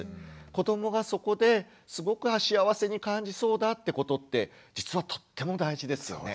子どもがそこですごく幸せに感じそうだってことって実はとっても大事ですよね。